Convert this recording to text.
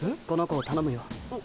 この子をたのむよ。